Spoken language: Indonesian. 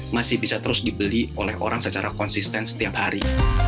masih bisa terus dibeli oleh orang secara konsisten setiap hari